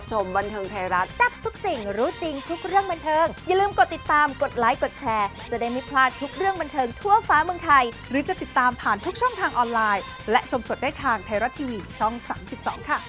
สวัสดีครับ